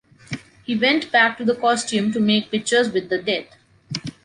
He went back to the costume to make pictures with the death.